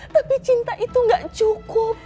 tapi cinta itu gak cukup